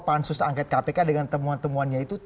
pansus angkat kpk dengan temuan temuan yaitu